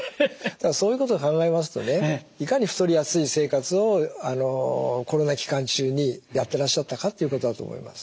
そういうことを考えますとねいかに太りやすい生活をコロナ期間中にやってらっしゃったかっていうことだと思います。